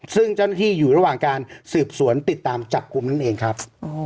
ซึ่งเจ้าหน้าที่อยู่ระหว่างการสืบสวนติดตามจับกลุ่มนั่นเองครับ